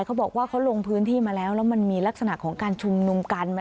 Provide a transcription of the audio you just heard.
เขาบอกว่าเขาลงพื้นที่มาแล้วแล้วมันมีลักษณะของการชุมนุมกัน